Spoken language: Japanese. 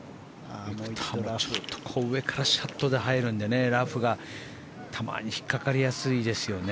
上からシャットで入るのでラフがたまに引っ掛かりやすいですよね。